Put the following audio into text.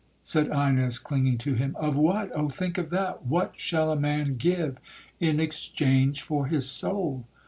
'—said Ines, clinging to him,—'of what?—Oh! think of that!—what shall a man give in exchange for his soul?